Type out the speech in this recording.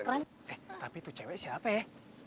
keren eh tapi itu cewek siapa ya